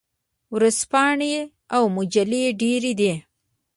ورځپاڼې او مجلې ډیرې دي.